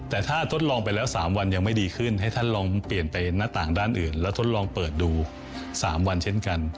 แต่ถ้าทดลองไปแล้ว๓วันยังไม่ดีขึ้นให้ท่านลองเปลี่ยนไปหน้าต่างด้านอื่นแล้วทดลองเปิดดู๓วันเช่นกัน